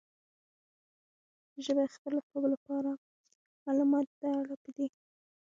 ژبه خپله په لپاره، معلوماتو د اړه پدې